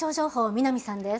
南さんです。